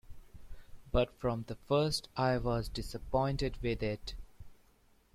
But from the first I was disappointed with it.